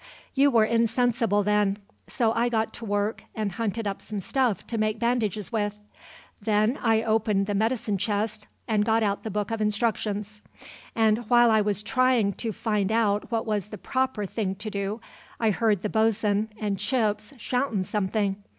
"You were insensible then, so I got to work and hunted up some stuff to make bandages with. Then I opened the medicine chest and got out the book of instructions; and while I was trying to find out what was the proper thing to do I heard the bosun and Chips shoutin' something.